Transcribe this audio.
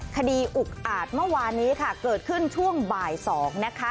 อุกอาจเมื่อวานนี้ค่ะเกิดขึ้นช่วงบ่าย๒นะคะ